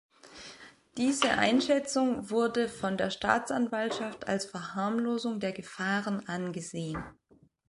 Diese Einschätzung wurde von der Staatsanwaltschaft als Verharmlosung der Gefahren angesehen.